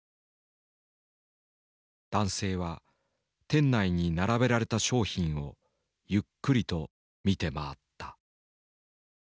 男性は店内に並べられた商品をゆっくりと見て回った。